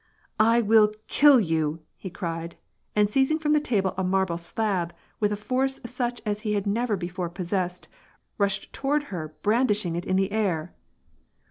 " I will kill you !" he cried, and seizing from the table a marble slab, with a force such as he had never before possessed, rushed toward her brandishing it in the air.